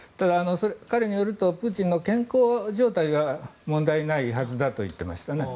彼によるとプーチンの健康状態は問題ないはずだと言っていましたね。